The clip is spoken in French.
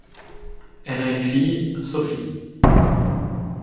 Elle a une fille Sophie.